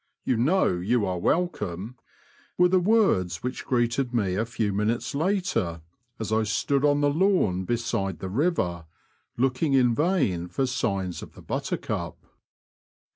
You know you are welcome," were the words which greeted me a few minutes later, as I stood on the lawn beside the river, looking in vain for signs of the Buttercup.